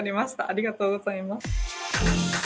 ありがとうございます。